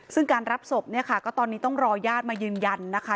ซึ่งการรับศพก็ตอนนี้ต้องรอยาศมายืนยันนะคะ